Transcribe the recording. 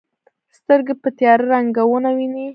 سترګې په تیاره رنګونه ویني.